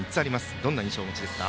どんな印象をお持ちですか？